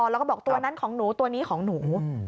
แล้วก็บอกตัวนั้นของหนูตัวนี้ของหนู